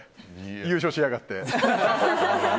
優勝しやがって。